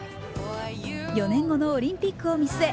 ４年後のオリンピックを見据え